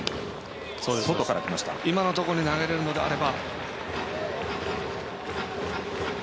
今のところに投げられるのであれば。